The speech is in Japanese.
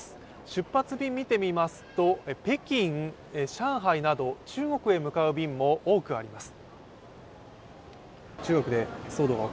出発便を見てみますと、北京、上海など中国へ向かう便も多くあります。